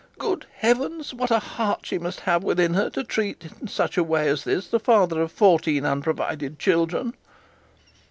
'Good heavens! What a heart she must have within her to treat in such a way as this the father of fourteen unprovided children!'